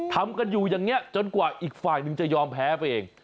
ทำกันอยู่อย่างนี้จนกว่าอีกฝ่ายหนึ่งจะยอมแพ้ไปเอง